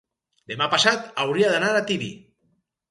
Demà passat hauria d'anar a Tibi.